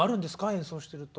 演奏してると。